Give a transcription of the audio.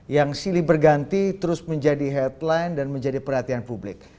yang silih berganti terus menjadi headline dan menjadi perhatian publik